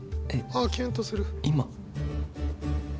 ああキュンとする！